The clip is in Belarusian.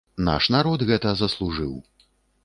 Наш народ гэта заслужыў.